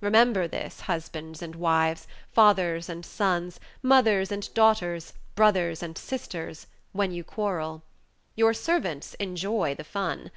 Remember this, husbands and wives, fathers and sons, mothers and daughters, brothers and sisters, when you quarrel. Your servants enjoy the fun.